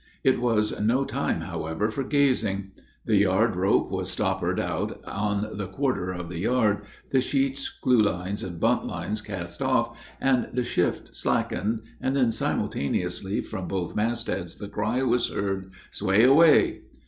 It was no time, however, for gazing. The yard rope was stoppered out on the quarter of the yard, the sheets, clewlines, and buntlines, cast off, and the shift slackened, and then simultaneously from both mast heads the cry was heard, "Sway, away!"